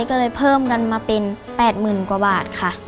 ก็เลยเพิ่มกันมาเป็นแปดหมื่นกว่าบาทค่ะ